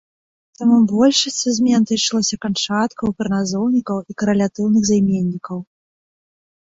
Таму большасць са змен тычыліся канчаткаў, прыназоўнікаў і карэлятыўных займеннікаў.